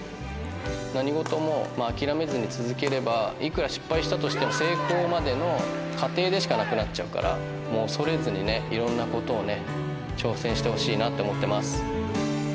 何事も諦めずに続ければ、いくら失敗したとしても成功までの過程でしかなくなっちゃうから、恐れずにいろんなことをね、挑戦してほしいなって思ってます。